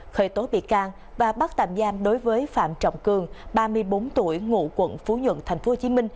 khởi tố bị can và bắt tạm giam đối với phạm trọng cường ba mươi bốn tuổi ngụ quận phú nhuận tp hcm